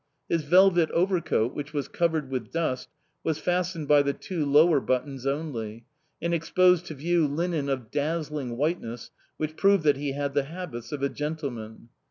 His velvet overcoat, which was covered with dust, was fastened by the two lower buttons only, and exposed to view linen of dazzling whiteness, which proved that he had the habits of a gentleman.